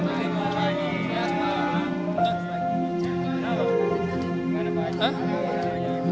kalian aja kenal dengan saya kan